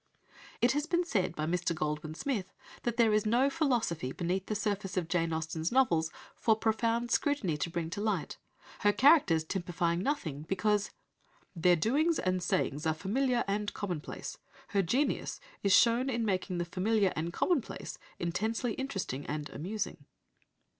It has been said by Mr. Goldwin Smith that there is no philosophy beneath the surface of Jane Austen's novels "for profound scrutiny to bring to light," her characters typifying nothing, because "their doings and sayings are familiar and commonplace. Her genius is shown in making the familiar and commonplace intensely interesting and amusing."